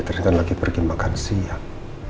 terus kan lagi pergi makan siang